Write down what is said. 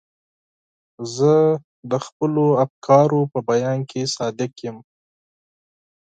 زه د خپلو افکارو په بیان کې صادق یم.